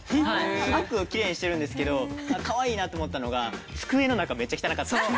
すごくきれいにしてるんですけどかわいいなと思ったのが机の中めっちゃ汚かったです。